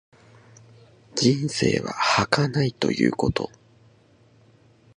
人生は儚いということ。